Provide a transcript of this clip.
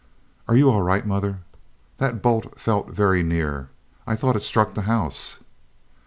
"Are you all right, mother? That bolt fell very near. I thought it struck the house."